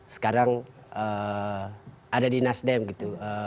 sekarang ada di nasdem gitu